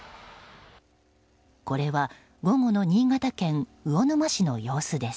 これは午後の新潟県魚沼市の様子です。